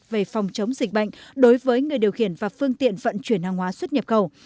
về phòng chống dịch bệnh đối với người điều khiển và phương tiện vận chuyển hàng hóa xuất nhập khẩu